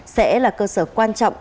sẽ là cơ sở quan trọng